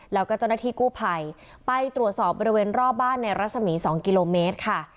แล้วก็เจ้าหน้าที่กู้ภัยไปตรวจสอบบริเวณรอบบ้านในรัศมี๒กิโลเมตรค่ะ